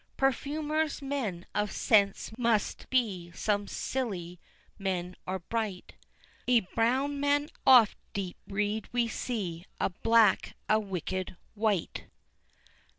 Perfumers, men of scents must be, some Scilly men are bright; A brown man oft deep read we see, a black a wicked wight.